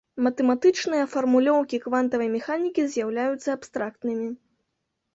Матэматычныя фармулёўкі квантавай механікі з'яўляюцца абстрактнымі.